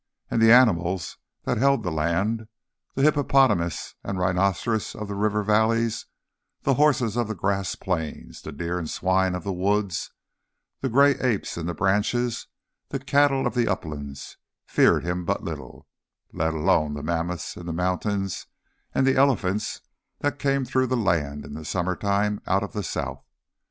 And the animals that held the land, the hippopotamus and rhinoceros of the river valleys, the horses of the grass plains, the deer and swine of the woods, the grey apes in the branches, the cattle of the uplands, feared him but little let alone the mammoths in the mountains and the elephants that came through the land in the summer time out of the south.